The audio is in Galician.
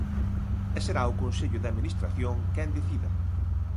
E será o consello de administración quen decida.